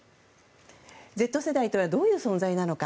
Ｚ世代とはどういう存在なのか。